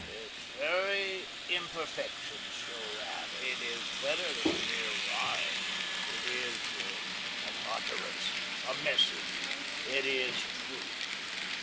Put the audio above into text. Its very imperfections show that. It is better than a mere rhyme. It is an Utterance a Message. It is Truth.